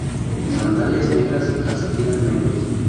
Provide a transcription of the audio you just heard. Sandalias negras y calcetines negros.